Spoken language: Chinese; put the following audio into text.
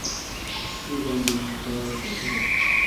历官兵科给事中。